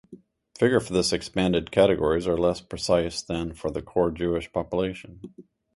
Figures for these expanded categories are less precise than for the core Jewish population.